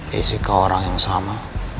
jessica orang yang sama